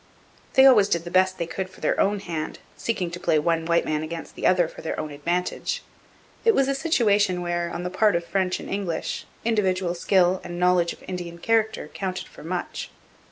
They always did the best they could for their own hand, seeking to play one white man against the other for their own advantage. It was a situation where, on the part of French and English, individual skill and knowledge of Indian character counted for much.